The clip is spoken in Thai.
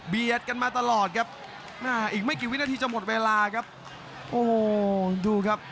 กันมาตลอดครับอีกไม่กี่วินาทีจะหมดเวลาครับโอ้โหดูครับ